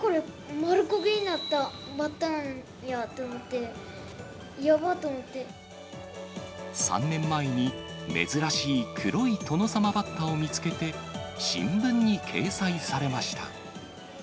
丸焦げになった３年前に珍しい黒いトノサマバッタを見つけて、新聞に掲載されました。